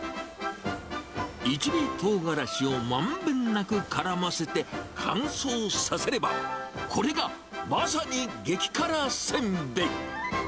一味トウガラシをまんべんなくからませて乾燥させれば、これが、まさに激辛せんべい。